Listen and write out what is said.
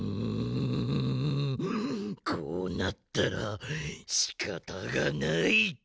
んんこうなったらしかたがない！